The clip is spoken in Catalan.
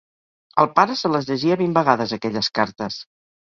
El pare se les llegia vint vegades, aquelles cartes.